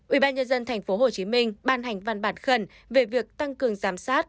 ủy ban nhân dân tp hcm ban hành văn bản khẩn về việc tăng cường giám sát